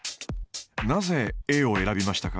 なぜＡを選びましたか？